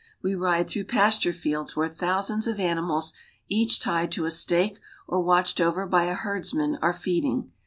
We ride through pasture fields where thousands of animals, each tied to a stake or J watched over by a herdsman, are feeding.